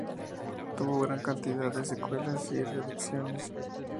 Tuvo gran cantidad de secuelas y reediciones.